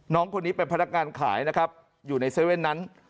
น้องคนนี้เป็นพนักงานขายนะครับอยู่ใน๗๑๑นั้น